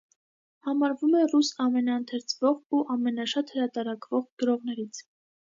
Համարվում է ռուս ամենաընթերցվող ու ամենաշատ հրատարակվող գրողներից։